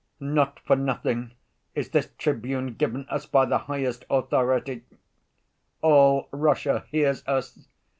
Not for nothing is this tribune given us by the highest authority—all Russia hears us!